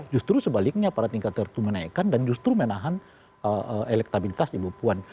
justru sebaliknya pada tingkat tertentu menaikkan dan justru menahan elektabilitas ibu puan